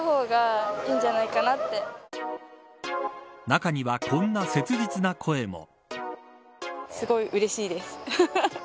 中にはこんな切実な声も。